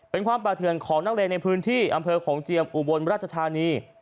เป็นความป่าเถื่อนของนักเรียนในพื้นที่อำเภอโขงเจียมอุบลราชธานี